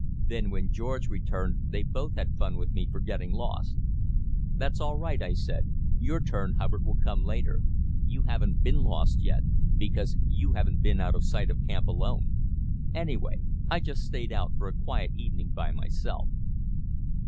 Then when George returned they both had fun with me for getting lost. "That's all right," I said, "your turn, Hubbard, will come later. You haven't been lost yet, because you haven't been out of sight of camp alone. Anyway, I just stayed out for a quiet evening by myself."